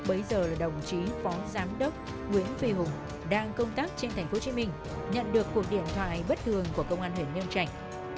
bây giờ là đồng chí phó giám đốc nguyễn thị hồng đang công tác trên thành phố hồ chí minh nhận được cuộc điện thoại bất thường của công an huyện nhơn trạch